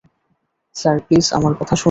Sir, please আমার কথা শুনুন।